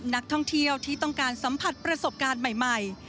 นักท่องเที่ยวที่ต้องการสัมผัสประสบการณ์ใหม่